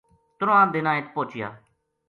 ترواں دِناں ات پوہچیا۔